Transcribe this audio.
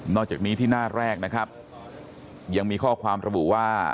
อกจากนี้ที่หน้าแรกนะครับยังมีข้อความระบุว่า